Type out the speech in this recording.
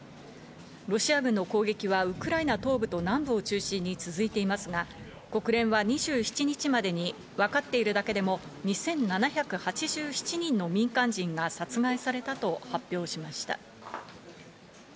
ロシア軍の攻撃はウクライナ東部と南部を中心に続いていますが、国連は２７日までにわかっているだけでも２７８７人の民間人が殺害されたと発表しました。